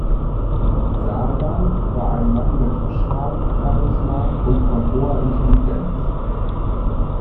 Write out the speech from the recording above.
Salmaan war ein Mann mit Charme, Charisma und von hoher Intelligenz.